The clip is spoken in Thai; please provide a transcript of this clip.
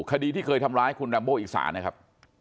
คดีที่เคยทำร้ายคุณดัมโบอีสานนะครับ